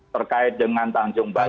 terkait dengan tanjung balai